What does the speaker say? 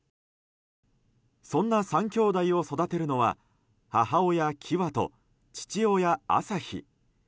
そんな３兄弟を育てるのは母親キワと父親アサヒ。